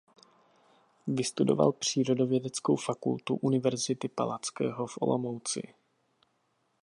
Vystudoval Přírodovědeckou fakultu Univerzity Palackého v Olomouci.